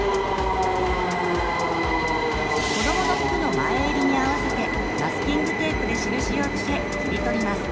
こどもの服の前襟に合わせてマスキングテープで印を付け切り取ります。